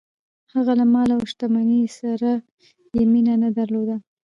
هغه له مال او شتمنۍ سره یې مینه نه درلوده.